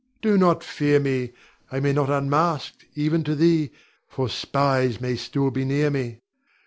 Do not fear me; I may not unmask even to thee, for spies may still be near me.